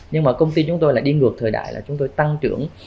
nhưng mà công ty chúng tôi lại đi ngược thời đại là chúng tôi tăng trưởng